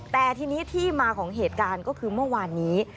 แต่ทีนี้ที่มาของเหตุการณ์ก็คือเมื่อวานนี้